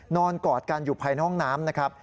กอดกันอยู่ภายในห้องน้ำนะครับ